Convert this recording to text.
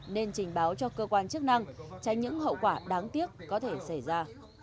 nên trình báo cho cơ quan chức năng tránh những hậu quả đáng tiếc có thể xảy ra